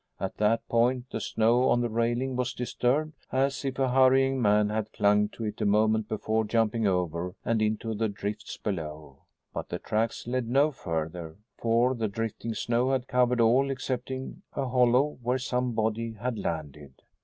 At that point the snow on the railing was disturbed, as if a hurrying man had clung to it a moment before jumping over and into the drifts below. But the tracks led no further, for the drifting snow had covered all excepting a hollow where some body had landed.